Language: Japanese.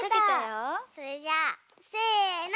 それじゃあせの！